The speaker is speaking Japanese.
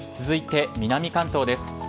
続いて南関東です。